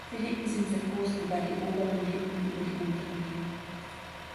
Die Lippen sind sehr groß, wobei die oberen Lippen über die unteren hängen.